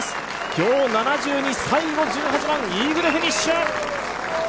今日７２最後１８番、イーグルフィニッシュ！